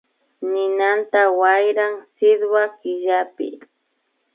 Ninanta wayran sitwa killapi